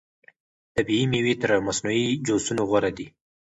طبیعي مېوې تر مصنوعي جوسونو غوره دي.